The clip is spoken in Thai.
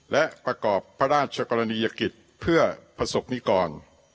และประกอบพระราชกรณียกิจเพื่อประสบนิกร